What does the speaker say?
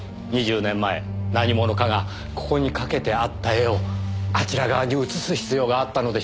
２０年前何者かがここに掛けてあった絵をあちら側に移す必要があったのでしょうねぇ。